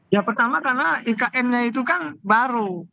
ya pertama karena ikn nya itu kan baru